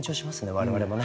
我々もね。